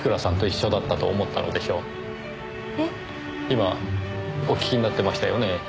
今お聞きになってましたよねぇ？